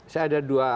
saya ada dua